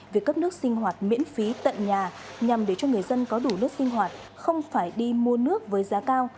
việc cấp nước sinh hoạt miễn phí tận nhà nhằm để cho người dân có đủ nước sinh hoạt không phải đi mua nước với giá cao